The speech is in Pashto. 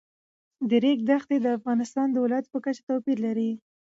د ریګ دښتې د افغانستان د ولایاتو په کچه توپیر لري.